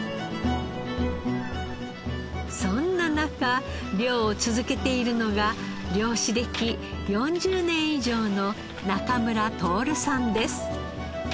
そんな中漁を続けているのが漁師歴４０年以上の中村享さんです。